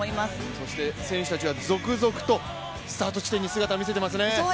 そして、選手たちは続々とスタート地点に姿を見せていますね。